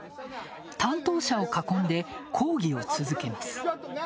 担当者を囲んで抗議を続けます。